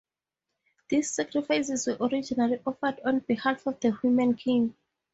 These sacrifices were originally offered on behalf of the human king.